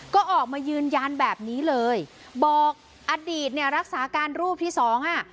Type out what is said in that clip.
ก็ออกมายืนยันแบบนี้เลยบอกอดีตเนี่ยรักษาการรูปที่สองอ่ะ